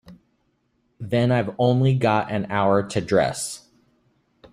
Then I've only got an hour to dress.